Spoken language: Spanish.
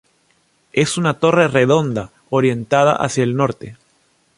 Es una torre redonda orientada hacia el norte.